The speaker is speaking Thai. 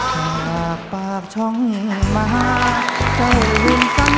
หากปากช้องมหาเจ้าลุงสัญญาสอง